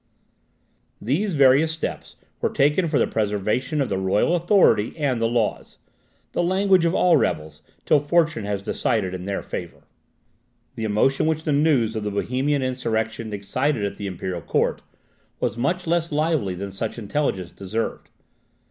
These various steps were taken for the preservation of the royal authority and the laws the language of all rebels till fortune has decided in their favour. The emotion which the news of the Bohemian insurrection excited at the imperial court, was much less lively than such intelligence deserved.